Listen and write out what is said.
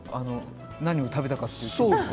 何を食べたかという記憶に。